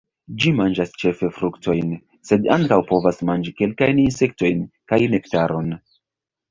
Ĝi manĝas ĉefe fruktojn, sed ankaŭ povas manĝi kelkajn insektojn kaj nektaron.